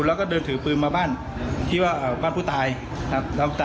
แล้วก็เดินถือปืนมาบ้านที่ว่าบ้านผู้ตายครับ